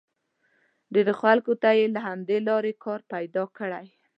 ډېرو خلکو ته یې له همدې لارې کار پیدا کړی.